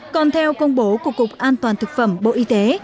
còn theo công bố của cục an toàn thực phẩm bộ y tế